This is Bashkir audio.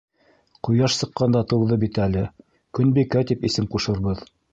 — Ҡояш сыҡҡанда тыуҙы бит әле, Көнбикә тип исем ҡушырбыҙ.